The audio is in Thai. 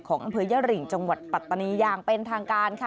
อำเภอยริงจังหวัดปัตตานีอย่างเป็นทางการค่ะ